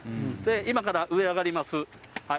今から上に上がります。